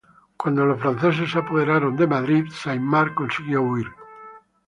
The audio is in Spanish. Cuando los franceses se apoderaron de Madrid, Saint-Marcq consiguió huir.